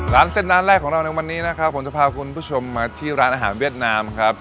ร้านเส้นร้านแรกของเราในวันนี้นะครับผมจะพาคุณผู้ชมมาที่ร้านอาหารเวียดนามครับ